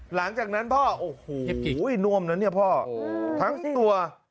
หลังจากนั้นพ่อโอ้โหน่วมนะเนี่ยพ่อทั้งตัว